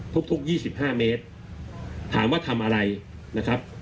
ทุกทุกยี่สิบห้าเมตรถามว่าทำอะไรนะครับ